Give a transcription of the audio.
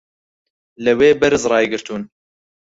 لەوێ بەرز ڕایگرتوون